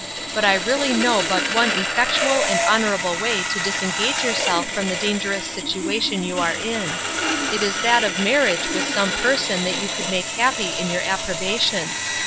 But I really know but one effectual and honourable way to disengage yourself from the dangerous situation you are in. It is that of marriage with some person that you could make happy in your approbation.